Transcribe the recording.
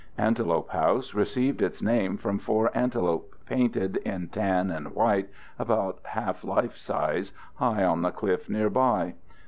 Antelope House received its name from four antelopes painted in tan and white, about half life size, high on the cliff nearby.